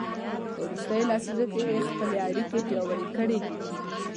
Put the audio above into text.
په وروستیو لسیزو کې یې خپلې اړیکې پیاوړې کړي دي.